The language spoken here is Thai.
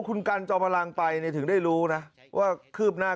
คุณกันจอมพลังไปถึงได้รู้นะว่าคืบหน้า